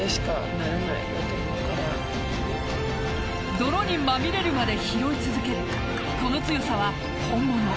泥にまみれるまで拾い続けるこの強さは本物。